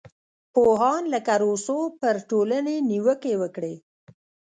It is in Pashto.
پوهان لکه روسو پر ټولنې نیوکې وکړې.